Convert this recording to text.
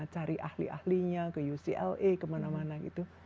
cari ahli ahlinya ke ucla kemana mana gitu